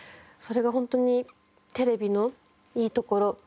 それが本当にテレビのいいところ。